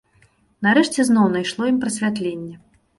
Нарэшце зноў найшло ім прасвятленне.